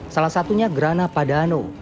salah satunya grana padano